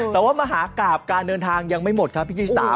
แต่ว่ามหากราบการเดินทางยังไม่หมดครับพี่ชิสา